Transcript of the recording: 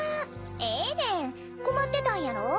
ええねんこまってたんやろ？